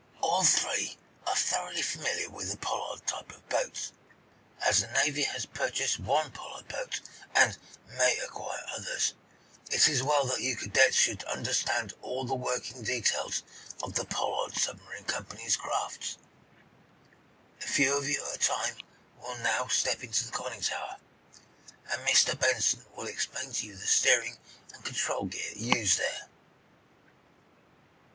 All three are thoroughly familiar with the Pollard type of boat. As the Navy has purchased one Pollard boat, and may acquire others, it is well that you cadets should understand all the working details of the Pollard Submarine Company's crafts. A few of you at a time will now step into the conning tower, and Mr. Benson will explain to you the steering and control gear used there."